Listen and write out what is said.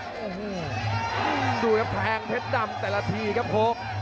โอ้โหดูครับแทงเพชรดำแต่ละทีครับโค้ก